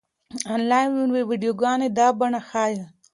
انلاين ويډيوګانې دا بڼه ښيي.